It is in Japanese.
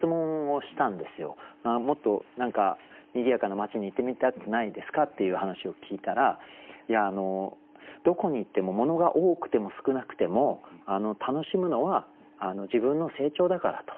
もっと何かにぎやかな街に行ってみたくないですか？っていう話を聞いたらどこに行ってもものが多くても少なくても楽しむのは自分の成長だからと。